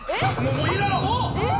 もういいだろ！